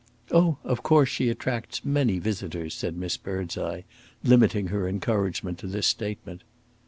"Oh, of course she attracts many visitors," said Miss Birdseye, limiting her encouragement to this statement.